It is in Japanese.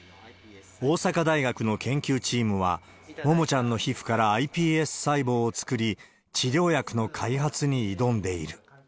大阪大学の研究チームは、ももちゃんの皮膚からｉＰＳ細胞を作り、治療薬の開発に挑んでいる。